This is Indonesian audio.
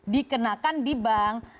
dikenakan di bank